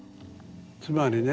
つまりね。